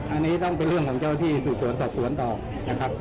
อันนี้ต้องเป็นเรื่องของเจ้าที่สืบสวนสอบสวนต่อนะครับ